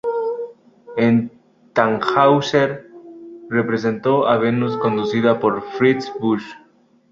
En "Tannhäuser", representó a Venus, conducida por Fritz Busch.